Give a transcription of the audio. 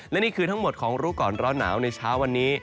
และนี่คือทั้งหมดของรู้ก่อนร้อนหนาวในเช้าวันนี้